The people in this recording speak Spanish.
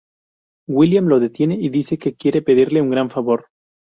William lo detiene y dice que quiere pedirle un gran favor.